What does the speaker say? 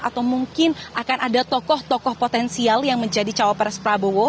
atau mungkin akan ada tokoh tokoh potensial yang menjadi cawapres prabowo